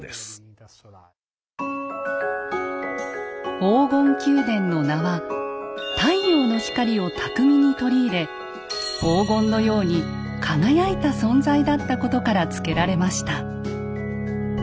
黄金宮殿の名は太陽の光を巧みに取り入れ黄金のように輝いた存在だったことから付けられました。